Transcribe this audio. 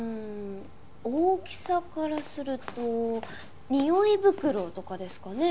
大きさからするとにおい袋とかですかね？